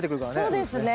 そうですね。